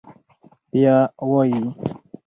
بيا وايي: